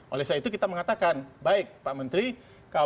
oleh sebab itu kita mengatakan baik pak menteri kalau mau ini baru terjadi